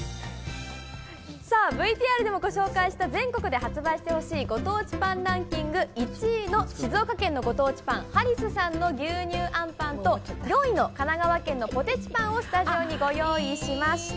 ＶＴＲでご紹介した全国で発売してほしいご当地パンランキング１位の静岡県のご当地パン、ハリスさんの牛乳あんパンと４位の神奈川県のポテチパンをスタジオにご用意しました。